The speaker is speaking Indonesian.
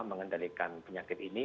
mengendalikan penyakit ini